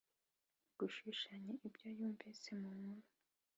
gushushanya ibyo yumvise mu nkuru.